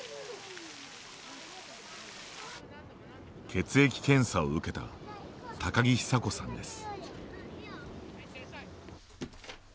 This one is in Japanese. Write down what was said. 血液検査を受けた高木比佐子さんです。